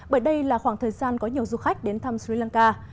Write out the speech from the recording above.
bởi đây là khoảng thời gian có nhiều du khách đến thăm sri lanka